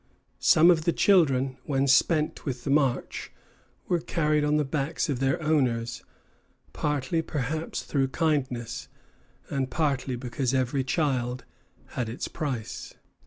Some of the children, when spent with the march, were carried on the backs of their owners, partly, perhaps, through kindness, and partly because every child had its price.